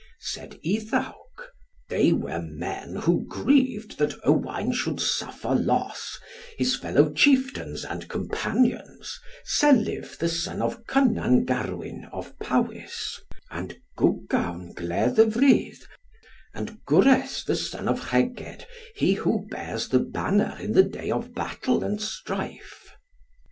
Said Iddawc, "They were men who grieved that Owain should suffer loss, his fellow chieftains and companions, Selyv the son of Kynan Garwyn of Powys, and Gwgawn Gleddyvrudd, and Gwres the son of Rheged, he who bears the banner in the day of battle and strife."